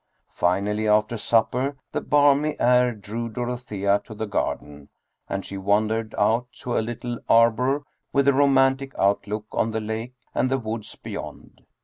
Finally, after supper, the balmy air drew Dorothea to the garden, and she wandered out to a little arbor with a ro mantic outlook on the lake and the woods beyond.